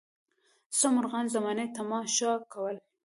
څه مرغان زمانې د تماشو کړل.